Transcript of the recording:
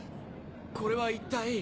これは一体？